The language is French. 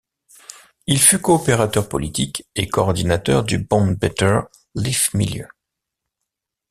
Il fut coopérateur politique et coordinateur du Bond Beter Leefmilieu.